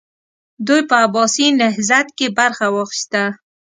دوی په عباسي نهضت کې برخه واخیسته.